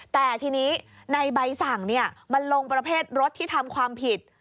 แต่ทีนี้ในใบสั่งมันลงประเภทรถที่ทำความผิด